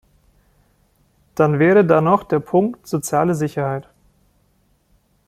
Dann wäre da noch der Punkt soziale Sicherheit.